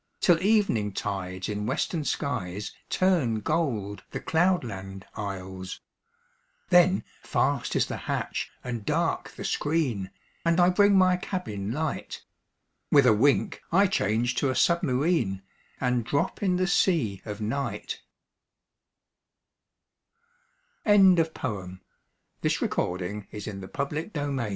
Till evening tides in western skies Turn gold the cloudland isles; Then fast is the hatch and dark the screen. And I bring my cabin light; With a wink I change to a submarine And drop in the sea of Night, WAR IN THE NORTH Not from Mars and not from Thor Co